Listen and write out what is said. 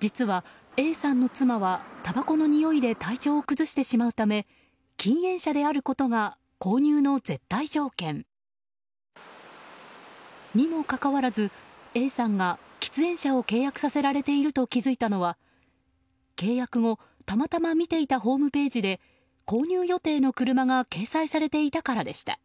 実はＡさんの妻はたばこのにおいで体調を崩してしまうため禁煙車であることが購入の絶対条件。にもかかわらず、Ａさんが喫煙車を契約させられていると気づいたのは契約後、たまたま見ていたホームページで購入予定の車が掲載されていたからでした。